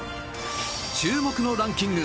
注目のランキング